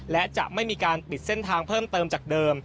และจะไม่มีการปิดเส้นทางเพิ่มเติมจากเดิม